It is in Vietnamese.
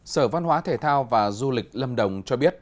sở văn hóa thể thao và du lịch lâm đồng cho biết